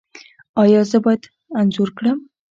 ایا زه باید انځور کړم؟